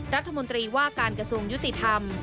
รัฐมนตรีว่าการกระทรวงยุติธรรม